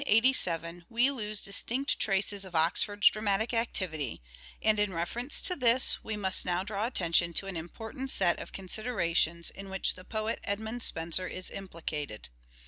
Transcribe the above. VI After the year 1587 we lose distinct traces of Oxford's dramatic activity, and, in reference to this, we must now draw attention to an important set of considera tions in which the poet Edmund Spenser is implicated.